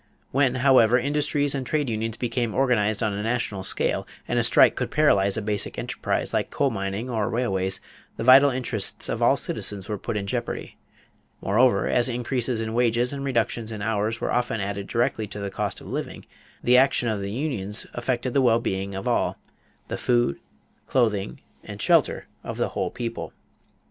When, however, industries and trade unions became organized on a national scale and a strike could paralyze a basic enterprise like coal mining or railways, the vital interests of all citizens were put in jeopardy. Moreover, as increases in wages and reductions in hours often added directly to the cost of living, the action of the unions affected the well being of all the food, clothing, and shelter of the whole people.